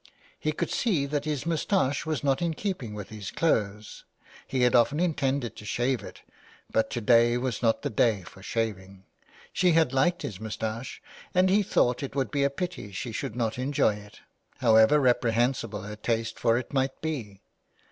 He could see that his moustache was not in keeping with his clothes : he had often intended to shave it, but to day was not the day for shaving. She had liked his moustache, and he thought it would be a pity she should not enjoy it, however reprehensible her taste for it might be.